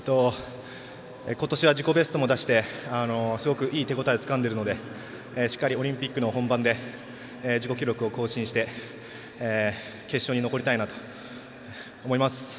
今年は自己ベストも出してすごくいい手応えをつかんでいるのでしっかりオリンピックの本番で自己記録を更新して決勝に残りたいなと思います。